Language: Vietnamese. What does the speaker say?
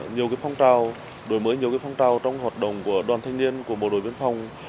nhiều phong trào đổi mới nhiều phong trào trong hoạt động của đoàn thanh niên của bộ đội biên phòng